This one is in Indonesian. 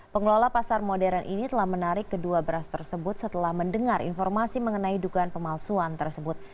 pengelola pasar modern ini telah menarik kedua beras tersebut setelah mendengar informasi mengenai dugaan pemalsuan tersebut